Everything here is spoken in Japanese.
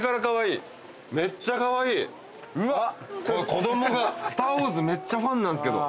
子供が『スター・ウォーズ』めっちゃファンなんすけど。